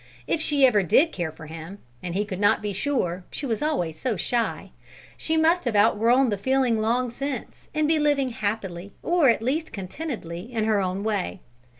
If she ever did care for him, and he could not be sure, she was always so shy, she must have outgrown the feeling long since, and be living happily, or at least contentedly, in her own way.